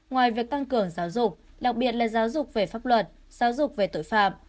ngoài việc tăng cường giáo dục đặc biệt là giáo dục về pháp luật giáo dục về tội phạm